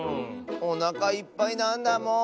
おなかいっぱいなんだもん！